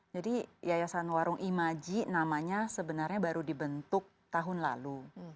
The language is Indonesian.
jadi yayasan warung imaji namanya sebenarnya baru dibentuk tahun lalu